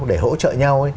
để hỗ trợ nhau